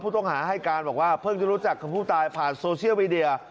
ต้องหาให้การบอกว่าเพิ่งจะรู้จักกับผู้ตายผ่านโซเชียลมีเดีย